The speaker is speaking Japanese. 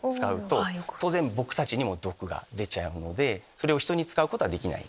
それを人に使うことはできない。